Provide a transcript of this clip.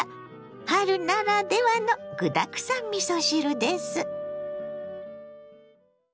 春ならではの具だくさんみそ汁です。